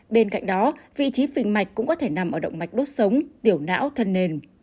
bên cạnh đó vị trí phình mạch cũng có thể nằm ở động mạch đốt sống tiểu não thân nền